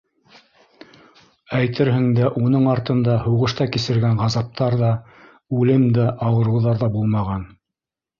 Әйтерһең дә, уның артында һуғышта кисергән ғазаптар ҙа, үлем дә, ауырыуҙар ҙа булмаған.